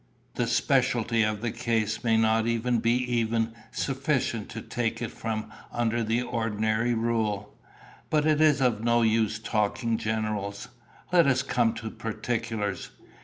The speciality of the case may not be even sufficient to take it from under the ordinary rule. But it is of no use talking generals. Let us come to particulars.